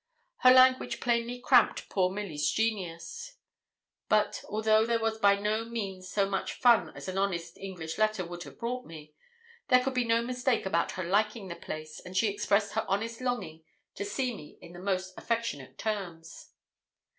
The language plainly cramped poor Milly's genius; but although there was by no means so much fun as an honest English letter would have brought me, there could be no mistake about her liking the place, and she expressed her honest longing to see me in the most affectionate terms.